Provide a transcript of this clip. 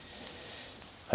はい。